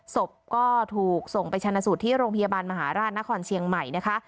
ศพก็ถูกส่งไปชนะสูตรที่โรงพยาบาลมหาราชนครเชียงใหม่นะคะ